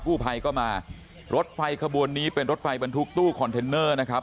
กู้ภัยก็มารถไฟขบวนนี้เป็นรถไฟบรรทุกตู้คอนเทนเนอร์นะครับ